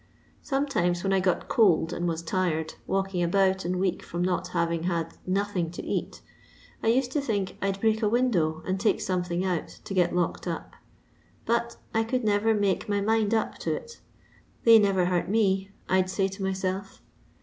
Sometimes when I got cold and was tired, walk ing about and weak from not having had nothing to •at, I used to think I 'd break a window and take something out to get locked up; but I could never make my mind up to it; they never hurt me, I'd say to myself.